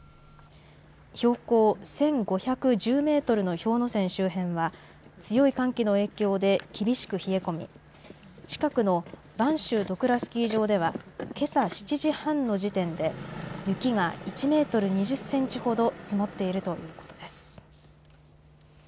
標高１５１０メートルの氷ノ山周辺は強い寒気の影響で厳しく冷え込み、近くのばんしゅう戸倉スキー場ではけさ７時半の時点で雪が１メートル２０センチほど積もっているということです。